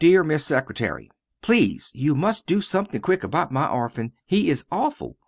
Deer miss Secretary, Pleese you must do sumthing quick about my orphan he is awful.